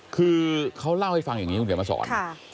คือเขาเล่าให้ฟังอย่างนี้คุณเขียนมาสอน